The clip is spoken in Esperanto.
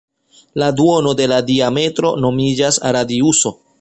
La duono de la diametro nomiĝas radiuso.